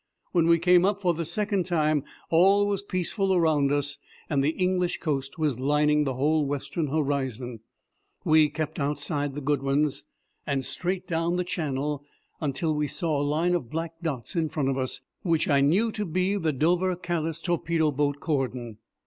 When we came up for the second time, all was peaceful around us, and the English coast was lining the whole western horizon. We kept outside the Goodwins and straight down Channel until we saw a line of black dots in front of us, which I knew to be the Dover Calais torpedo boat cordon.